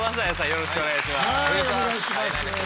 よろしくお願いします。